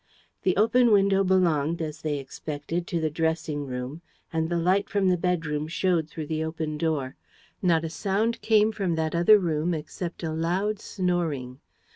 The open window belonged, as they expected, to the dressing room and the light from the bedroom showed through the open door. Not a sound came from that other room except a loud snoring.